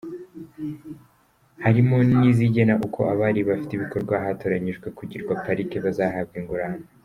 Harimo n’izigena uko abari bafite ibikorwa ahatoranyijwe kugirwa Pariki bazahabwa ingurane.